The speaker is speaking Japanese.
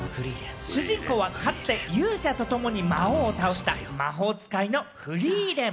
主人公はかつて勇者とともに魔王を倒した魔法使いのフリーレン。